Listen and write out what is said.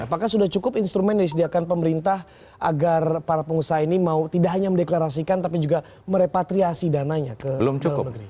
apakah sudah cukup instrumen yang disediakan pemerintah agar para pengusaha ini mau tidak hanya mendeklarasikan tapi juga merepatriasi dananya ke dalam negeri